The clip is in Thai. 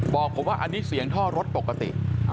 บอกผมว่าอันนี้เสียงท่อรถปกติ